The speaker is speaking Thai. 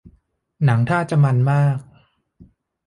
หนังท่าจะมันส์มาก